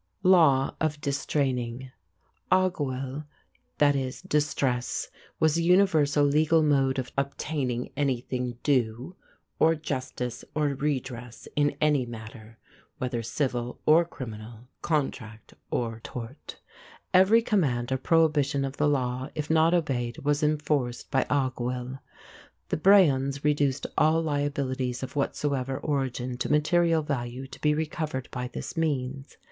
LAW OF DISTRAINING. Athgabail ([)a]h gowil) = "distress", was the universal legal mode of obtaining anything due, or justice or redress in any matter, whether civil or criminal, contract or tort. Every command or prohibition of the law, if not obeyed, was enforced by athgabail. The brehons reduced all liabilities of whatsoever origin to material value to be recovered by this means.